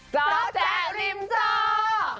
เจ้าแจ๊กริมเจ้า